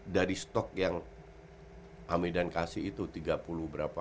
dari stok yang amedan kasih itu tiga puluh berapa